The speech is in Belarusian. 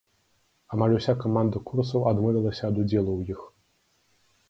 Амаль уся каманда курсаў адмовілася ад удзелу ў іх.